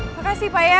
makasih pak ya